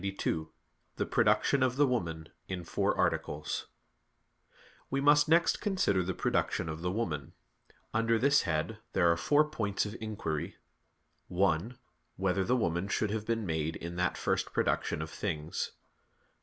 _______________________ QUESTION 92 THE PRODUCTION OF THE WOMAN (In Four Articles) We must next consider the production of the woman. Under this head there are four points of inquiry: (1) Whether the woman should have been made in that first production of things?